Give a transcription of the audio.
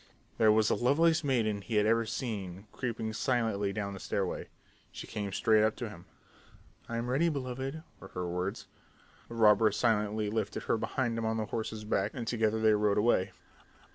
There was the loveliest maiden he had ever seen creeping silently down the stairway. She came straight up to him. "I'm ready, beloved," were her words. The robber silently lifted her behind him on the horse's back and together they rode away.